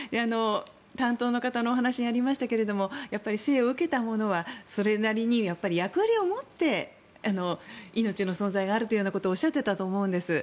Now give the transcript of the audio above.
担当の方のお話にもありましたけど生を受けたものはそれなりに役割を持って命の存在があるということをおっしゃっていたと思うんです。